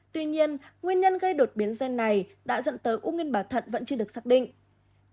tuy nhiên nguyên nhân gây đột biến gen này đã dẫn tới u minh bà thận vẫn chưa được xác định